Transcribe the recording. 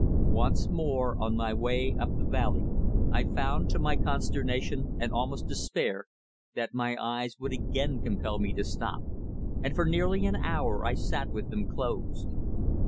Once more on my way up the valley, I found, to my consternation and almost despair, that my eyes would again compel me to stop, and for nearly an hour I sat with them closed.